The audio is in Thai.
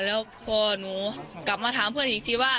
แล้วพอหนูกลับมาถามเพื่อนอีกทีว่า